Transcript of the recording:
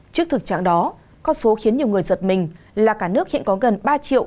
trước thực trạng đó con số khiến nhiều người giật mình là cả nước hiện có gần ba triệu